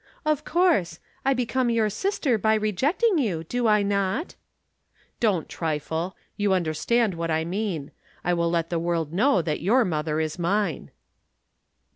"Of course. I become your sister by rejecting you, do I not?" "Don't trifle. You understand what I mean. I will let the world know that your mother is mine."